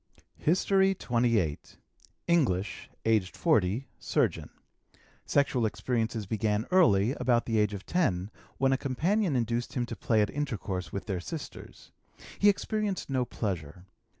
HISTORY XXVIII. English, aged 40, surgeon. Sexual experiences began early, about the age of 10, when a companion induced him to play at intercourse with their sisters. He experienced no pleasure.